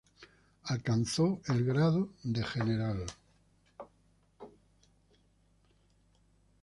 Alcanzó el grado de General.